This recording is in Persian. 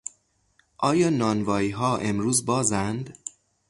آیا نانواییها امروز بازند؟